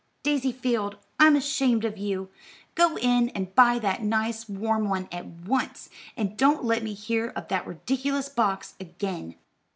Daisy Field, I'm ashamed of you! Go in and buy that nice, warm one at once, and don't let me hear of that ridiculous box again."